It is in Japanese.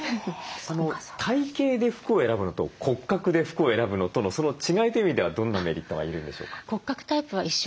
体型で服を選ぶのと骨格で服を選ぶのとのその違いという意味ではどんなメリットが言えるんでしょうか？